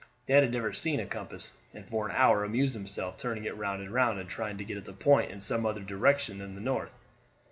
Dan had never seen a compass, and for an hour amused himself turning it round and round and trying to get it to point in some other direction than the north.